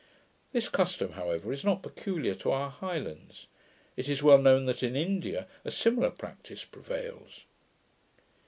This custom, however, is not peculiar to our Highlands; it is well known that in India a similar practice prevails.